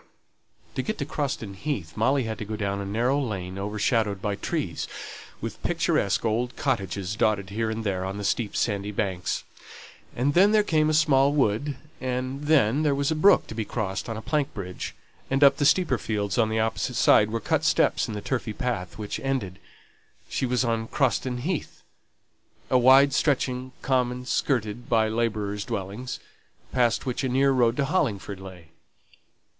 To get to Croston Heath, Molly had to go down a narrow lane overshadowed by trees, with picturesque old cottages dotted here and there on the steep sandy banks; and then there came a small wood, and then there was a brook to be crossed on a plank bridge, and up the steeper fields on the opposite side were cut steps in the turfy path; these ended, she was on Croston Heath, a wide stretching common skirted by labourers' dwellings, past which a near road to Hollingford lay.